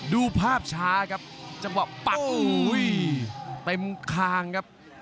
ดูภาพช้าครับจังหวะปักโอ้โหเต็มคางครับ